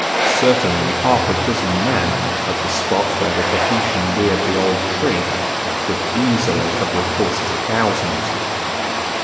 Certainly half a dozen men, at the spot where the Tahitian reared the old tree, could easily have repulsed thousands.